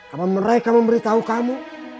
apa mereka memberitahu kamu